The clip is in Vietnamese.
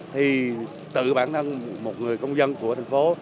thì tự bản thân một người công dân của thành phố